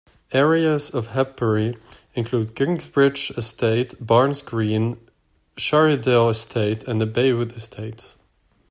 Areas of Harpurhey include Kingsbridge Estate, Barnes Green, Shiredale Estate and Baywood Estate.